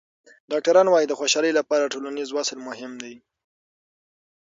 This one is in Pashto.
ډاکټران وايي د خوشحالۍ لپاره ټولنیز وصل مهم دی.